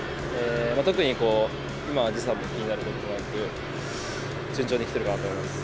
特に今は時差も気になることはなく、順調にきてるかなと思います。